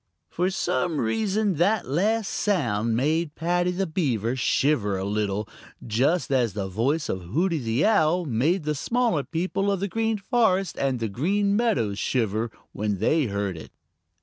For some reason that last sound made Paddy the Beaver shiver a little, just as the voice of Hooty the Owl made the smaller people of the Green Forest and the Green Meadows shiver when they heard it.